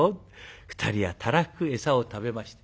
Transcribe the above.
２人はたらふく餌を食べました。